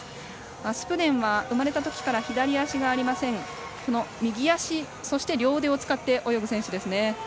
アスプデンは生まれたときから左足がありません右足、そして両腕を使って泳ぐ選手ですね。